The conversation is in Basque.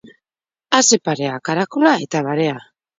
A ze parea, karakola eta barea.